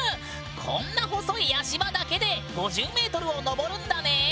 こんな細い足場だけで５０ｍをのぼるんだね。